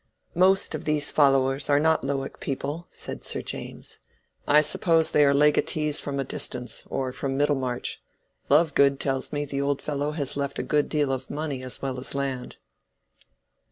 "Most of these followers are not Lowick people," said Sir James; "I suppose they are legatees from a distance, or from Middlemarch. Lovegood tells me the old fellow has left a good deal of money as well as land."